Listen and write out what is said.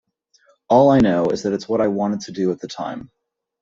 All I know is that it's what I wanted to do at the time.